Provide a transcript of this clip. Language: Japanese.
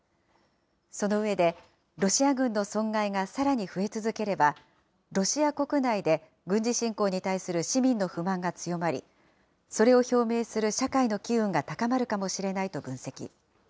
その上で、ロシア軍の損害がさらに増え続ければ、ロシア国内で軍事侵攻に対する市民の不満が強まり、それを表明する社会の機運が高まるかもしれないと分析。